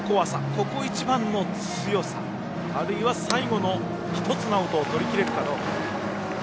ここ一番の強さあるいは最後の１つのアウトをとりきれるか。